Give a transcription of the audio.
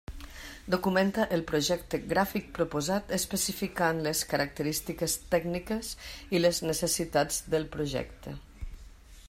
Documenta el projecte gràfic proposat especificant les característiques tècniques i les necessitats del projecte.